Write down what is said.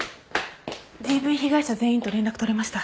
ＤＶ被害者全員と連絡取れました。